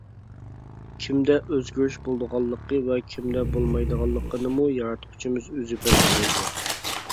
كىمدە ئۆزگىرىش بولىدىغانلىقى ۋە كىمدە بولمايدىغانلىقىنىمۇ ياراتقۇچىمىز ئۆزى بەلگىلەيدۇ.